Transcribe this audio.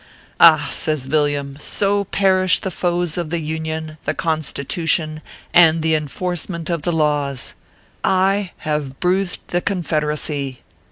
"Ah !" says Villiam, "so perish the foes of the ORPHEUS C. KERR PAPERS. 267 Union, the Constitution, and the Enforcement of the Laws. I have bruised the Confederacy.